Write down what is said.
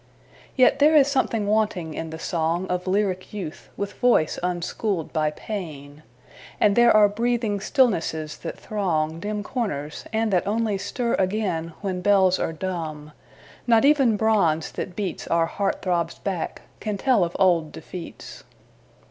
Yet there is something wanting in the song Of lyric youth with voice unschooled by pain. And there are breathing stillnesses that throng Dim corners, and that only stir again When bells are dumb. Not even bronze that beats Our heart throbs back can tell of old defeats.